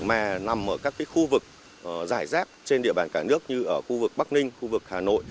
mà nằm ở các khu vực giải rác trên địa bàn cả nước như khu vực bắc ninh hà nội